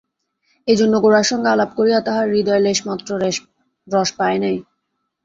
এইজন্য গোরার সঙ্গে আলাপ করিয়া তাঁহার হৃদয় লেশমাত্র রস পায় নাই।